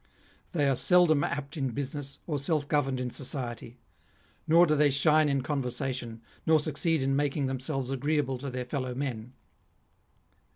They are seldom apt in business, or self governed in society ; nor do they shine in conversation, nor succeed in making themselves agreeable to their fellow men.